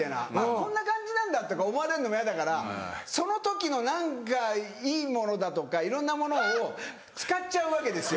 「こんな感じなんだ」とか思われんのも嫌だからその時の何かいいものだとかいろんなものを使っちゃうわけですよ。